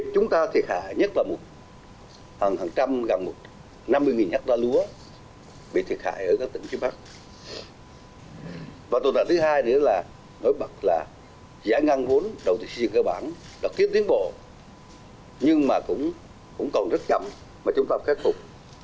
cũng còn rất chậm mà chúng ta phải khép phục